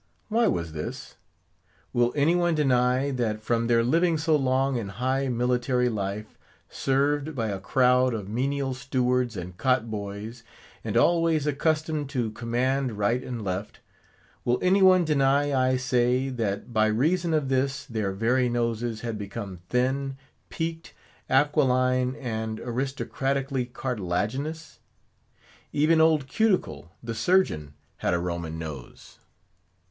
Why was this? Will any one deny, that from their living so long in high military life, served by a crowd of menial stewards and cot boys, and always accustomed to command right and left; will any one deny, I say, that by reason of this, their very noses had become thin, peaked, aquiline, and aristocratically cartilaginous? Even old Cuticle, the Surgeon, had a Roman nose.